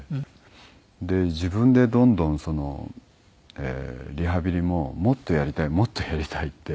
自分でどんどんリハビリももっとやりたいもっとやりたいって。